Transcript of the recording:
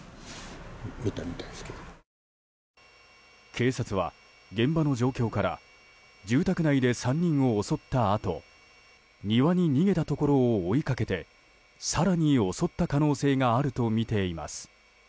警察は現場の状況から住宅内で３人を襲ったあと庭に逃げたところを追いかけて更に襲った可能性があるとみています。